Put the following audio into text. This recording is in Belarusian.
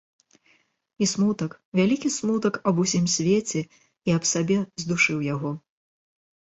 І смутак, вялікі смутак аб усім свеце і аб сабе здушыў яго.